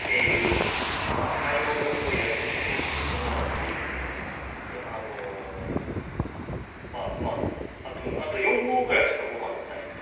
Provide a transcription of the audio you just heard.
で滞納もすごい家賃とかもしててこのままだとあのまああと４合ぐらいしかごはんがないみたいな。